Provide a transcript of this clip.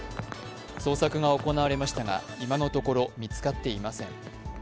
捜索が行われましたが今のところ見つかっていません。